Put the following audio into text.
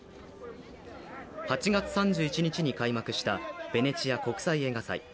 ８月３１日に開幕したベネチア国際映画祭。